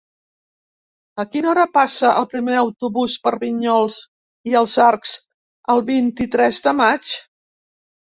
A quina hora passa el primer autobús per Vinyols i els Arcs el vint-i-tres de maig?